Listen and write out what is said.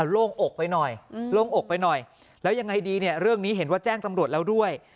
โล่งอกไปหน่อยแล้วยังไงดีเนี่ยเรื่องนี้เห็นว่าแจ้งตำรวจเราด้วย